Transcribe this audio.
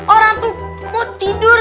orang tuh mau tidur